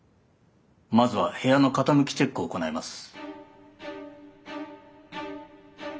まずは部屋の傾きチェックを行います。